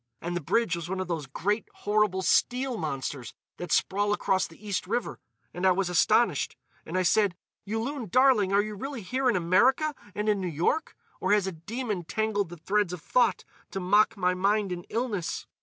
And the bridge was one of those great, horrible steel monsters that sprawl across the East River. And I was astonished, and I said, 'Yulun, darling, are you really here in America and in New York, or has a demon tangled the threads of thought to mock my mind in illness?